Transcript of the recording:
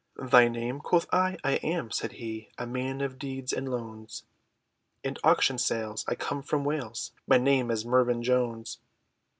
"Thy name?" quoth I, "I am," said he, "A man of Deeds, and Loans, And auction sales, I come from Wales, My name is Mervyn Jones!"